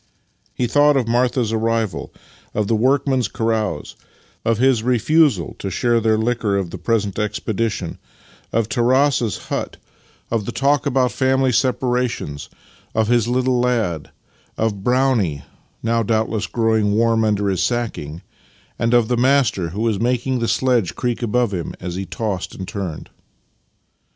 He thought of Martha's arrival, of the workmen's carouse, of his refusal to share their liquor, of the present expedition, of Tarass's hut, of the talk Master and Man 51 about family separations, of his little lad, of Brownie (now, doubtless, growing warm under his sacking), and of the master who was making the sledge creak above him as he tossed and turned.